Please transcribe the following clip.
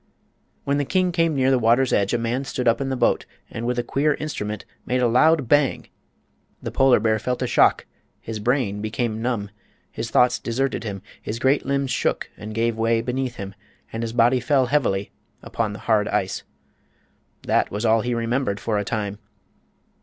When the king came near the water's edge a man stood up in the boat and with a queer instrument made a loud "bang!" The polar bear felt a shock; his brain became numb; his thoughts deserted him; his great limbs shook and gave way beneath him and his body fell heavily upon the hard ice. That was all he remembered for a time.